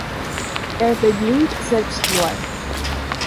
Er beging Selbstmord.